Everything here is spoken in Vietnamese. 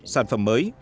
sản phẩm mới